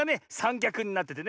きゃくになっててね